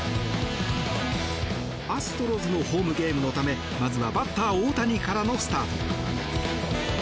アストロズのホームゲームのためまずはバッター・大谷からのスタート。